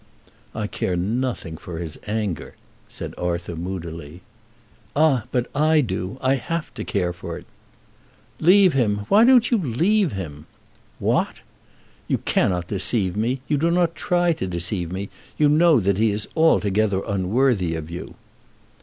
"I care nothing for his anger," said Arthur moodily. "Ah, but I do. I have to care for it." "Leave him! Why don't you leave him?" "What!" "You cannot deceive me. You do not try to deceive me. You know that he is altogether unworthy of you."